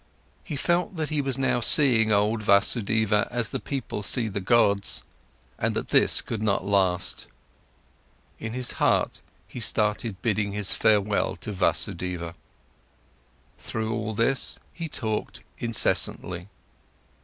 He felt, that he was now seeing old Vasudeva as the people see the gods, and that this could not last; in his heart, he started bidding his farewell to Vasudeva. Throughout all this, he talked incessantly.